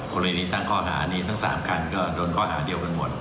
กรณีนี้ตั้งข้อหานี้ทั้ง๓คันก็โดนข้อหาเดียวกันหมด